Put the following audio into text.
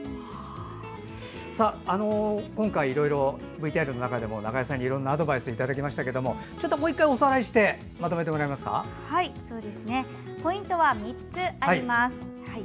今回、ＶＴＲの中でも中井さんにいろんなアドバイスをいただきましたけどもう１回おさらいしてポイントは３つあります。